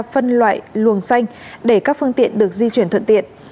phân loại luồng xanh để các phương tiện được di chuyển thuận tiện